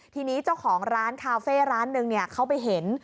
ทีนี้เจ้าของร้านคาเฟ่ร้านหนึ่งเขาไปเห็น